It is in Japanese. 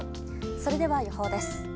それでは予報です。